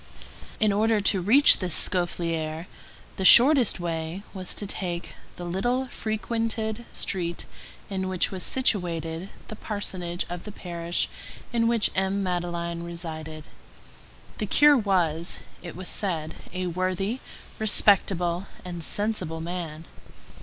In order to reach this Scaufflaire, the shortest way was to take the little frequented street in which was situated the parsonage of the parish in which M. Madeleine resided. The curé was, it was said, a worthy, respectable, and sensible man.